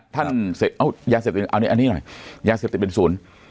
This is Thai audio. ท่านอ้าวยาเต็บติดอันนี้อันนี้หน่อยยาเต็บติดเป็นศูนย์